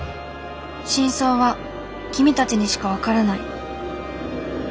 「真相は君たちにしかわからない」。